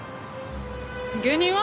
芸人は？